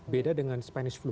beda dengan spanish flu